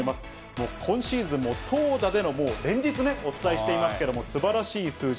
もう今シーズン、投打での、連日ね、お伝えしていますけれども、すばらしい数字。